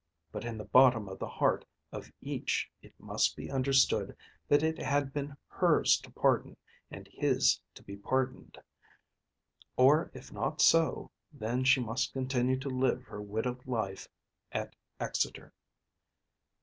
But in the bottom of the heart of each it must be understood that it had been hers to pardon and his to be pardoned. Or if not so, then she must continue to live her widowed life at Exeter.